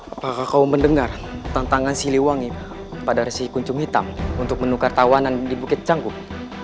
apakah kau mendengar tantangan siliwangi pada resi kuncung hitam untuk menukar tawanan di bukit cangguk